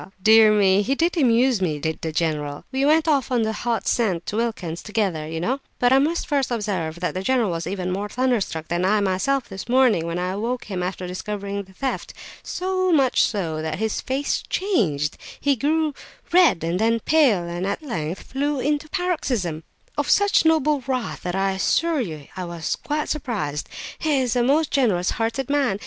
dear me! He did amuse me, did the general! We went off on the hot scent to Wilkin's together, you know; but I must first observe that the general was even more thunderstruck than I myself this morning, when I awoke him after discovering the theft; so much so that his very face changed—he grew red and then pale, and at length flew into a paroxysm of such noble wrath that I assure you I was quite surprised! He is a most generous hearted man!